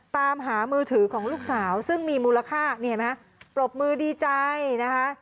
ตามหามือถือของลูกสาวซึ่งมีมูลค่านี่เห็นไหมปรบมือดีใจนะคะ